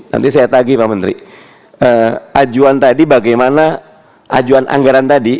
nanti saya tagih pak menteri ajuan tadi bagaimana ajuan anggaran tadi